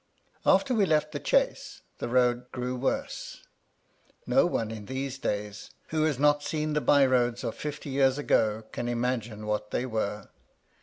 After we left the Chase, the road grew worse. No one in these days, who has not seen the byroads of fifty years ago, can imagine what they were.